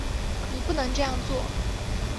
你不能这样做